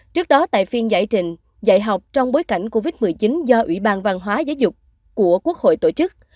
trước đó tại phiên giải trình dạy học trong bối cảnh covid một mươi chín do ủy ban văn hóa giáo dục của quốc hội tổ chức